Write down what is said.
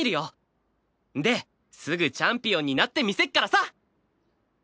ですぐチャンピオンになってみせっからさ！